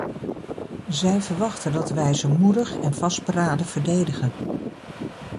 Zij verwachten dat wij ze moedig en vastberaden verdedigen.